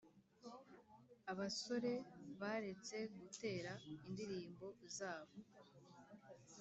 abasore baretse gutera indirimbo zabo.